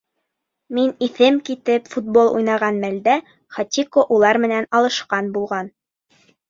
Мин иҫем китеп футбол уйнаған мәлдә, Хатико улар менән алышҡан булған.